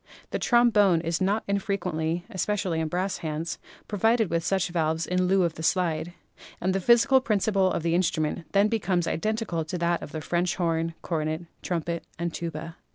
The trombone is not infrequently (especially in brass bands) provided with such valves in lieu of the slide, and the physical principle of the instrument then becomes identical with that of the French horn, cornet, trumpet and tuba.